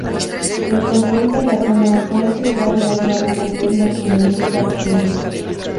El control de la zona fue entregado al nuevo gobierno comunista chino.